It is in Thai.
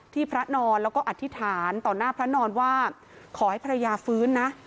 พระนอนแล้วก็อธิษฐานต่อหน้าพระนอนว่าขอให้ภรรยาฟื้นนะ